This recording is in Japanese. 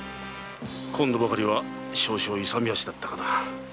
今度ばかりは少々勇み足だったかな